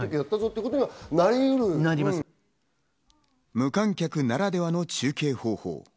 無観客ならではの中継方法。